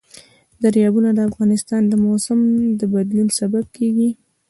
دریابونه د افغانستان د موسم د بدلون سبب کېږي.